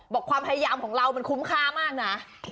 ความพยายามของเรามันคุ้มค่ามากนะ